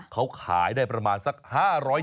เขาขายได้ประมาณสัก๕๐๐บาท